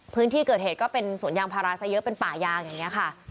คุณิทเกิดเหตุก็มีสวนยางภาระแต่เยอะเป็นป่ายางอย่างนี้ค่ะ